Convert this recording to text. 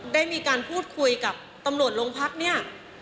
ได้มีการพูดคุยกับตำรวจโรงพักเนี่ย